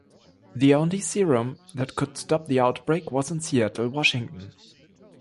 The only serum that could stop the outbreak was in Seattle, Washington.